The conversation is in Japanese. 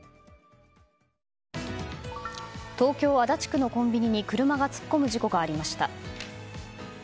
東京・足立区のコンビニに車が突っ込む事故がありました。